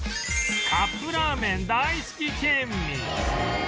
カップラーメン大好き県民